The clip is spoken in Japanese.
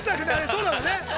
◆そうなんだよね。